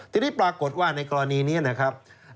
ทีนี้ปรากฏว่าในกรณีนี้นะครับ